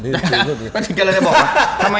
ก็เลยบอกว่า